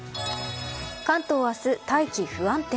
関東は明日、大気不安定。